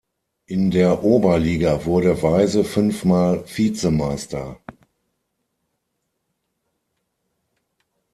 In der Oberliga wurde Weise fünfmal Vizemeister.